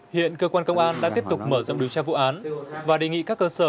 hiện cơ quan công an đã tiếp tục mở rộng điều tra vụ án và đề nghị các cơ sở